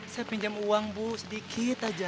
saya pinjam uang bu sedikit aja